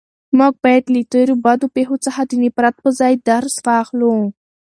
موږ باید له تېرو بدو پېښو څخه د نفرت په ځای درس واخلو.